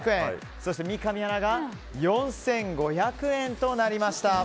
そして三上アナが４５００円となりました。